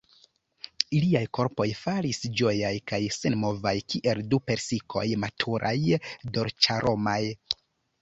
Iliaj korpoj falis ĝojaj kaj senmovaj kiel du persikoj maturaj, dolĉaromaj.